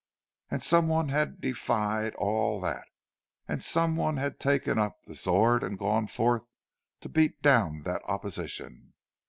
And some one had defied all that—some one had taken up the sword and gone forth to beat down that opposition!